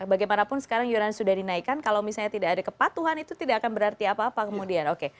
bagaimanapun sekarang yuran sudah dinaikkan kalau misalnya tidak ada kepatuhan itu tidak akan berarti apa apa kemudian oke